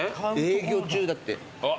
「営魚中」だって。